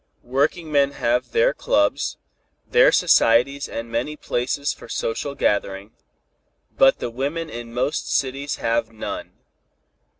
Workingmen have their clubs, their societies and many places for social gathering, but the women in most cities have none.